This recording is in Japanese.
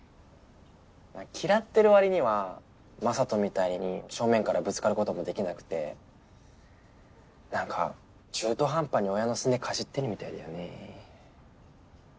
嫌ってる割には雅人みたいに正面からぶつかることもできなくて何か中途半端に親のすねかじってるみたいだよね。